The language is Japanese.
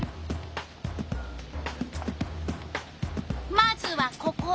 まずはここ！